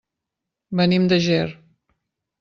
Venim de Ger.